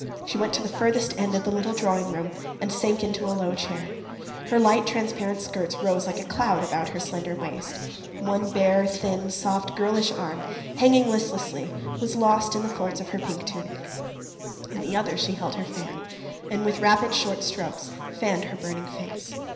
She went to the furthest end of the little drawing room and sank into a low chair. Her light, transparent skirts rose like a cloud about her slender waist; one bare, thin, soft, girlish arm, hanging listlessly, was lost in the folds of her pink tunic; in the other she held her fan, and with rapid, short strokes fanned her burning face.